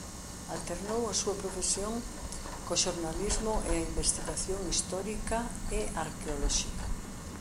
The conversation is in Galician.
Alternou a súa profesión co xornalismo e a investigación histórica e arqueolóxica.